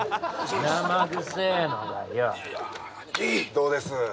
どうです